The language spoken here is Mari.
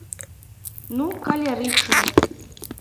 — Ну, калер икшыве!